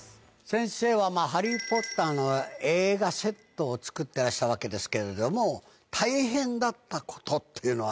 先生は『ハリー・ポッター』の映画セットを造ってらしたわけですけれども大変だったことっていうのは？